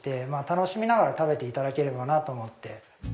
楽しみながら食べていただければなと思って。